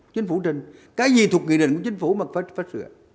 chính phủ trình cái gì thuộc nghị định của chính phủ mà phải sửa